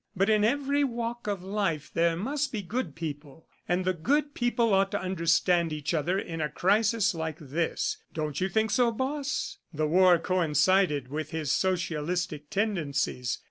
But in every walk of life there must be good people, and the good people ought to understand each other in a crisis like this. Don't you think so, Boss?" The war coincided with his socialistic tendencies.